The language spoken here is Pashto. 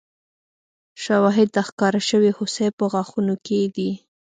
شواهد د ښکار شوې هوسۍ په غاښونو کې دي.